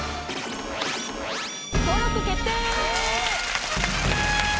登録決定！